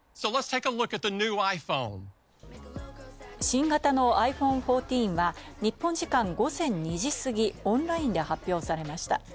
新型のｉＰｈｏｎｅ１４は日本時間午前２時過ぎ、オンラインで発表されました。